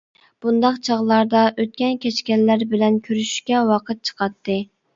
بۇنداق چاغلاردا ئۆتكەن-كەچكەنلەر بىلەن كۆرۈشۈشكە ۋاقىت چىقاتتى.